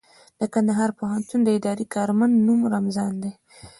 د کندهار پوهنتون د اداري کارمند نوم رمضان دئ.